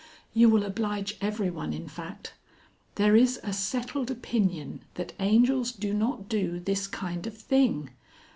You will oblige everyone, in fact. There is a settled opinion that angels do not do this kind of thing.